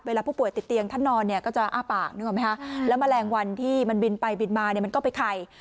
เวลาผู้ป่วยติดเตียงท่านนอนก็จะอ้าปากและแมลงวันที่มันบินไปบินมาก็ไปไข่